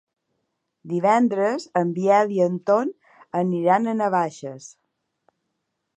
Divendres en Biel i en Ton aniran a Navaixes.